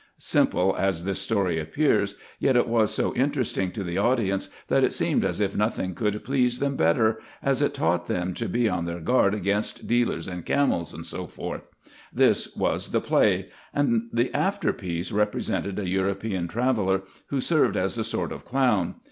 — Simple as this story appears, yet it was so interesting to the audience, that it seemed as if nothing could please them better, as it taught them to be on their guard against dealers in camels, &c. — This was the play ; and the afterpiece represented a European traveller, who served as a sort of clown.